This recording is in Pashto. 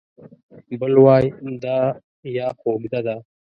بل وای دا یا خو اوږده ده